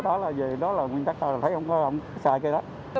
đó là nguyên tắc thấy không có không có xài cái đó